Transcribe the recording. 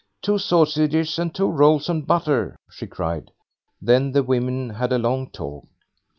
Two sausages and two rolls and butter," she cried. Then the women had a long talk.